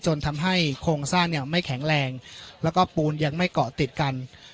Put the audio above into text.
จนทำให้โครงสร้างเนี่ยไม่แข็งแรงแล้วก็ปูนยังไม่เกาะติดกัน